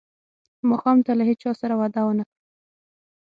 ماښام ته له هیچا سره وعده ونه کړم.